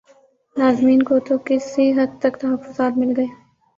لازمین کو تو کسی حد تک تخفظات مل گئے